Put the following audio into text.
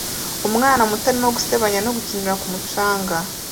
Umwana muto arimo gusebanya no gukinira ku mucanga